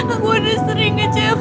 aku udah sering ngecewak